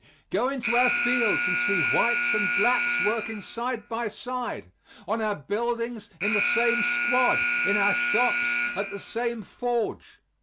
Go into our fields and see whites and blacks working side by side. On our buildings in the same squad. In our shops at the same forge.